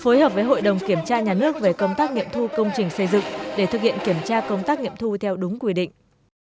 phối hợp với hội đồng kiểm tra nhà nước về công tác nghiệm thu công trình xây dựng để thực hiện kiểm tra công tác nghiệm thu theo đúng quy định